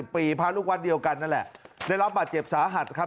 ปีพระลูกวัดเดียวกันนั่นแหละได้รับบาดเจ็บสาหัสครับ